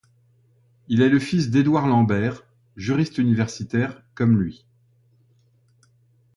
Il est le fils d'Édouard Lambert, juriste universitaire comme lui.